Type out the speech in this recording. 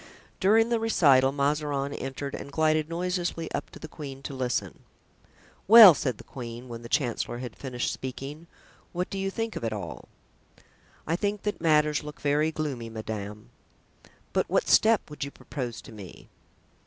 During the recital Mazarin entered and glided noiselessly up to the queen to listen. "Well," said the queen, when the chancellor had finished speaking; "what do you think of it all?" "I think that matters look very gloomy, madame." "But what step would you propose to me?"